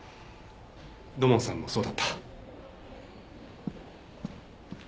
土門さんもそうだった。